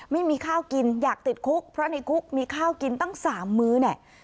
ไม่มีข้าวกินอยากติดคุกเพราะในคุกมีข้าวกินตั้ง๓มื้อเนี่ย